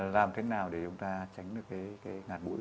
làm thế nào để chúng ta tránh được cái ngạt bụi